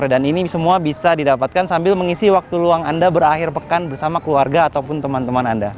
dan ini semua bisa didapatkan sambil mengisi waktu luang anda berakhir pekan bersama keluarga ataupun teman teman anda